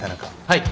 はい。